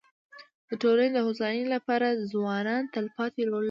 د ټولني د هوسايني لپاره ځوانان تلپاتي رول لري.